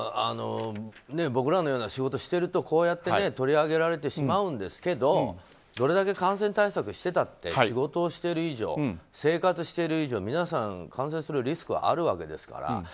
僕らのような仕事してるとこうやって取り上げられてしまうんですけどどれだけ感染対策をしていたって仕事をしてる以上生活してる以上皆さん感染するリスクはあるわけですから。